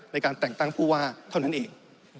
ในการแต่งตั้งผู้ว่าเท่านั้นเอง